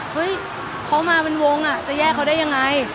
เฮ้ยเขามันลองเป็นวงอ่ะเย่อเขาได้ยังไง